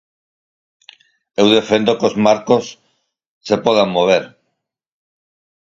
Eu defendo que os marcos se podan mover.